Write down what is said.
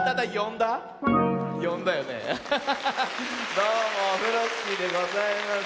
どうもオフロスキーでございます。